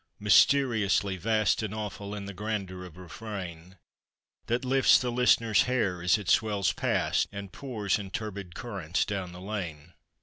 mysteriously vast And awful in the grandeur of refrain That lifts the listener's hair, as it swells past, And pours in turbid currents down the lane.